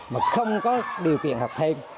mà không có điều kiện học thêm